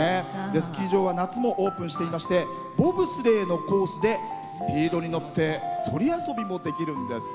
スキー場は夏もオープンしてましてボブスレーのコースでスピードに乗ってそり遊びもできるんです。